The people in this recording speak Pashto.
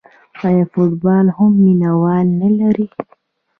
آیا فوتبال هم مینه وال نلري؟